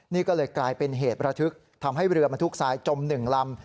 นี่ก็เลยกลายเป็นเหตุระทึกทำให้เรือบรรทุกทรายจม๑ลำ